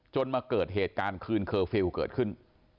มาเกิดเหตุการณ์คืนเคอร์ฟิลล์เกิดขึ้น